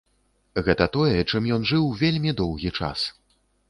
Гэта тое, чым ён жыў вельмі доўгі час.